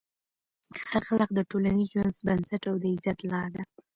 ښه اخلاق د ټولنیز ژوند بنسټ او د عزت لار ده.